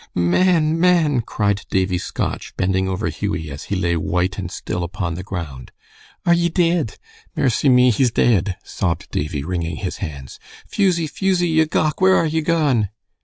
"Man! man!" cried Davie Scotch, bending over Hughie as he lay white and still upon the ground. "Are ye deid? Maircy me! he's deid," sobbed Davie, wringing his hands. "Fusie, Fusie, ye gowk! where are ye gone?"